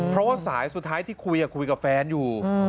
เพราะว่าสายสุดท้ายที่คุยคุยกับแฟนอยู่